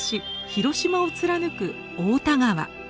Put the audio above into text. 広島を貫く太田川。